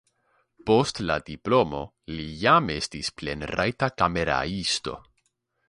Post la diplomo li jam estis plenrajta kameraisto.